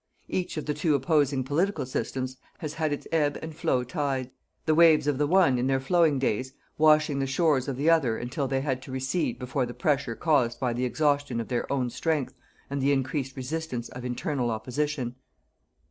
Each of the two opposing political systems has had its ebb and flow tides; the waves of the one, in their flowing days, washing the shores of the other until they had to recede before the pressure caused by the exhaustion of their own strength and the increased resistance of internal opposition.